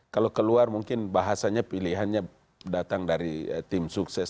kalau keluar mungkin bahasanya pilihannya datang dari tim sukses